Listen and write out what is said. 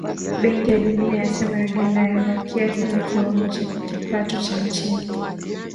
Benki ya Dunia yasema Uganda yabakia kwenye kiwango cha kipato cha chini